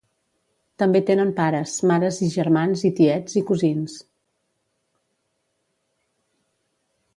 També tenen pares, mares i germans i tiets i cosins.